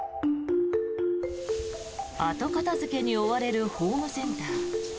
後片付けに追われるホームセンター。